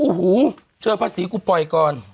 โอ้โหเจอภาษีกูปล่อยก่อน